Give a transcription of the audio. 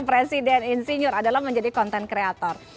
presiden insinyur adalah menjadi konten kreator